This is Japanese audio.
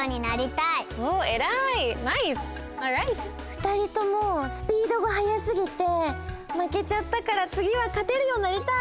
２人ともスピードがはやすぎてまけちゃったからつぎはかてるようになりたい！